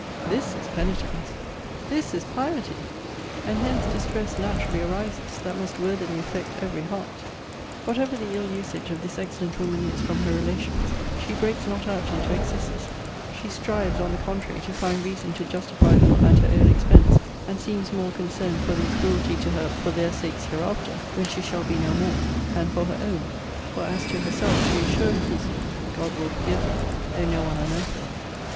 This is penitence! This is piety! And hence distress naturally arises, that must worthily effect every heart. Whatever the ill usage of this excellent woman is from her relations, she breaks not out into excesses: she strives, on the contrary, to find reason to justify them at her own expense; and seems more concerned for their cruelty to her for their sakes hereafter, when she shall be no more, than for her own: for, as to herself, she is sure, she says, God will forgive her, though no one on earth will.